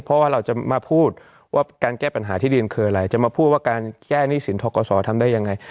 เพราะว่าเราจะมาพูดว่าการแก้ปัญหาที่ดินคืออะไรจะมาพูดว่าการแก้หนี้สินทกศทำได้ยังไง